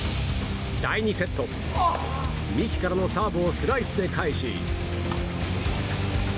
第２セット、三木からのサーブをスライスで返し。